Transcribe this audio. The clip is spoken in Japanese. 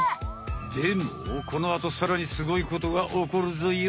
でもこのあとさらにすごいことがおこるぞよ。